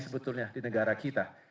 sebetulnya di negara kita